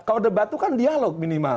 kalau debat itu kan dialog minimal